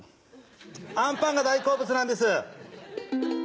あんパンが大好物なんです。